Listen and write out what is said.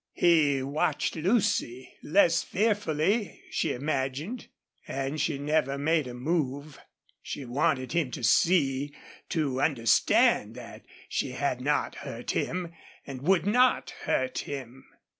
He watched Lucy, less fearfully, she imagined. And she never made a move. She wanted him to see, to understand that she had not hurt him and would not hurt him.